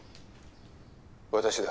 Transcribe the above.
私だ。